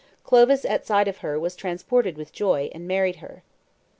Clovis at sight of her was transported with joy, and married her."